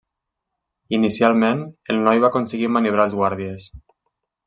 Inicialment, el noi va aconseguir maniobrar els guàrdies.